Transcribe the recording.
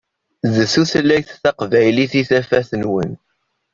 D tutlayt taqbaylit i tafat-nwen.